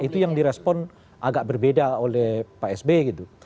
itu yang direspon agak berbeda oleh pak sby gitu